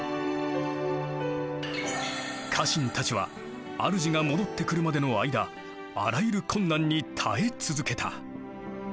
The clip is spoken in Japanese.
家臣たちは主が戻ってくるまでの間あらゆる困難に耐え続けた。